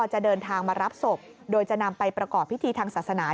จะเดินทางมารับศพโดยจะนำไปประกอบพิธีทางศาสนา